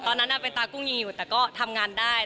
ตอนนั้นเป็นตากุ้งยีอยู่แต่ก็ทำงานได้